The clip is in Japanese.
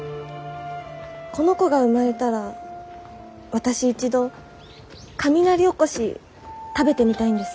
この子が生まれたら私一度雷おこし食べてみたいんです。